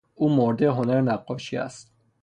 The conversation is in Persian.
او مرده هنر نقاشی است.